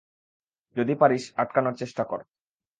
যদি পারিস আটকানোর চেষ্টা কর।